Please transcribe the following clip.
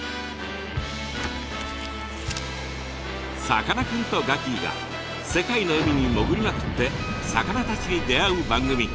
さかなクンとガキィが世界の海に潜りまくって魚たちに出会う番組！